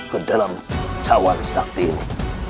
ke dalam cawang sakti ini